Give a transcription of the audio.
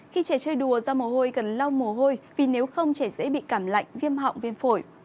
khi trẻ chơi đùa do mồ hôi cần lau mồ hôi vì nếu không trẻ dễ bị cảm lạnh viêm họng viêm phổi